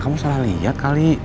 kamu salah liat kali